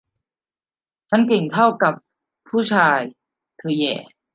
ฉันเก่งเท่ากันกับผู้ชาย เธอแหย่